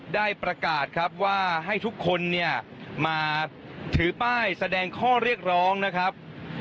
ได้ประกาศครับว่าให้ทุกคนเนี่ยมาถือป้ายแสดงข้อเรียกร้องนะครับ